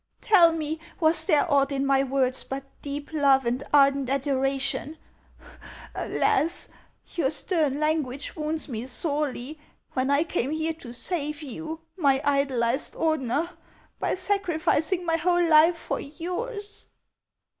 Tell me, was there aught in my words but deep love and ardent adoration ? Alas ! your stern language wounds me sorely, when I came here to save you, my idolized Ordener, by sacrificing my whole life for yours."